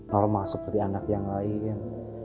normal seperti anak yang lain